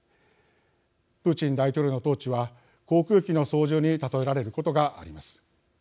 プーチン大統領の統治は航空機の操縦に例えられることがあります。